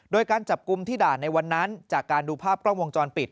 โดยการจับกลุ่มที่ด่านในวันนั้นจากการดูภาพกล้องวงจรปิด